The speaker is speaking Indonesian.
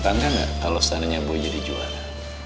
tandanya nggak kalau seandainya boy jadi juara